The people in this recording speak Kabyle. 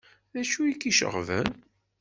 D acu i k-iceɣben?